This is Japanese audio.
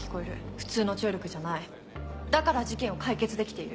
普通の聴力じゃないだから事件を解決できている。